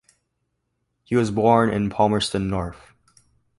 He was born in Palmerston North.